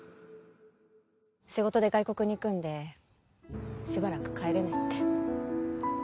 仕事で外国に行くんでしばらく帰れないって。